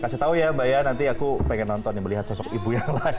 kasih tau ya mbak ya nanti aku pengen nonton melihat sosok ibu yang lain